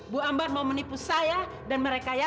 bu ambar mau menipu saya dan mereka ya